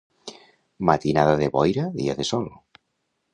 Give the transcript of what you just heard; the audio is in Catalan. Matinada de boira, dia de sol.